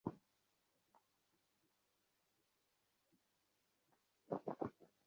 সদ্য কন্যাশোকের উপর এতবড়ো অপমানের আঘাত তাহার পক্ষে অসহ্য হইয়াছে।